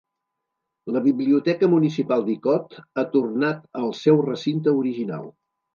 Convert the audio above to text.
La biblioteca municipal d'Icod ha tornat al seu recinte original.